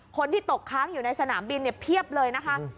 คนที่ตกค้างอยู่ในสนามบินเนี่ยเพียบเลยนะคะ